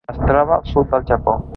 Es troba al sud del Japó.